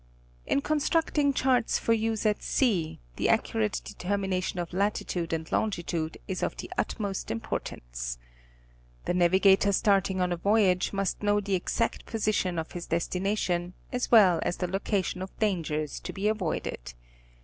In constructing charts for use at sea, the accurate determination of latitude and longitude is of the utmost importance. The navigator starting on a voyage must know the exact position of his destination as well as the location of dangers to be avoided.